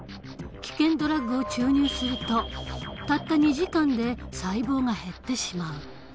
危険ドラッグを注入するとたった２時間で細胞が減ってしまう。